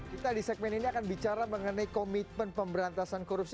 kita di segmen ini akan bicara mengenai komitmen pemberantasan korupsi